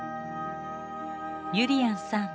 ゆりやんさん